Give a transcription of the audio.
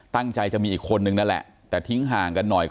ตั้งใจจะมีอีกคนนึงนั่นแหละแต่ทิ้งห่างกันหน่อย